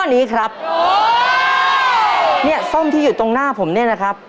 นี้ครับเนี่ยส้มที่อยู่ตรงหน้าผมเนี่ยนะครับ